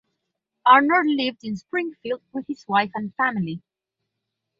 Arnold lived in Springfield with his wife and family.